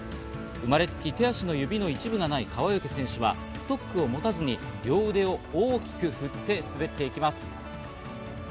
生まれつき手足の指の一部がない川除選手はストックを持たずに両腕を大きく振って滑っていきます。